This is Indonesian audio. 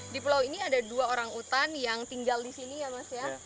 di pulau ini ada dua orang utan yang tinggal di sini ya mas ya